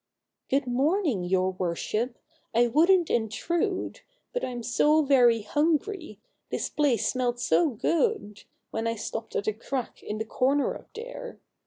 " Good morning, your worship ! I wouldn't in trude, But I'm so very hungry; this place smelt so good When I stopped at a crack in the corner up there.